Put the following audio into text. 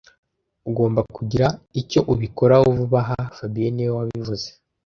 Ugomba kugira icyo ubikoraho vuba aha fabien niwe wabivuze